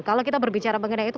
kalau kita berbicara mengenai itu